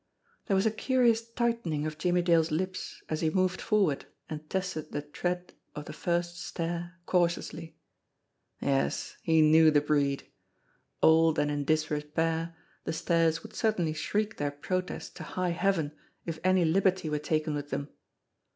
There was a curious tightening of Jimmie Dale's lips as he moved forward and tested the tread of the first stair cau tiously. Yes, he knew the breed ! Old and in disrepair, the stairs would certainly shriek their protest to high heaven if any liberty were taken with them.